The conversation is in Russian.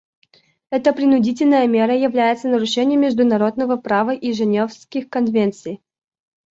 Эта принудительная мера является нарушением международного права и Женевских конвенций.